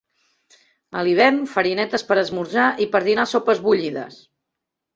A l'hivern farinetes per esmorzar i per dinar sopes bullides.